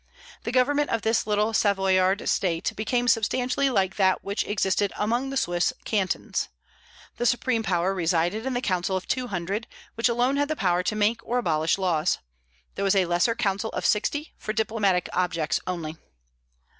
The government of this little Savoyard state became substantially like that which existed among the Swiss cantons. The supreme power resided in the council of Two Hundred, which alone had the power to make or abolish laws. There was a lesser council of Sixty, for diplomatic objects only.